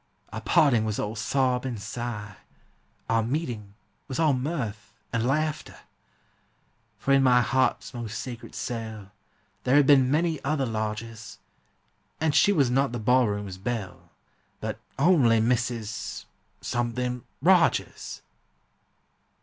Our parting was all sob and sigh, Our meeting was all mirth and laughter! For in my heart's most secret cell There had been many other lodgers; And she was not the ball room's belle, But only Mrs. Something Rogers!